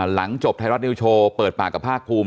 หลังจบท้ายรัตนิวโชว์เปิดปากกลพาคพลุม